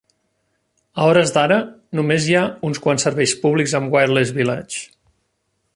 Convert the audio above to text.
A hores d'ara, només hi ha uns quants serveis públics amb Wireless Village.